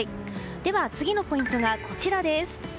では次のポイントが、こちらです。